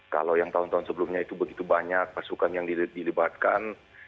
kalau yang tahun tahun sebelumnya itu begitu banyak pasukan yang dilibatkan